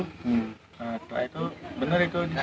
selain itu benar itu